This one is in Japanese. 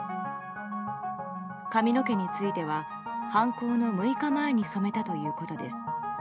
髪の毛については犯行の６日前に染めたということです。